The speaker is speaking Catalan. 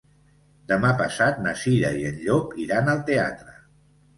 Demà passat na Cira i en Llop iran al teatre.